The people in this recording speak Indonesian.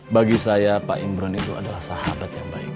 bagi saya pak imron itu adalah sahabat yang baik